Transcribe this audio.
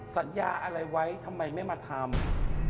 สัญญาอะไรไว้ทำไมไม่มาทำ